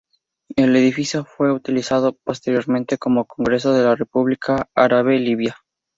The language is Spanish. El edificio fue utilizado posteriormente como Congreso de la República Árabe Libia.